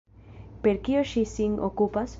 Per kio ŝi sin okupas?